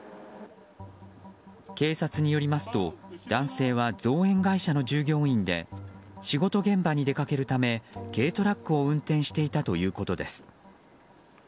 警察によりますと男性は造園会社の従業員で仕事現場に出かけるため軽トラックを運転していたということです。